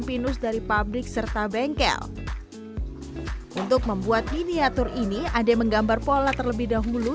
pinus dari pabrik serta bengkel untuk membuat miniatur ini ade menggambar pola terlebih dahulu